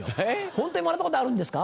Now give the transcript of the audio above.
ホントにもらったことあるんですか？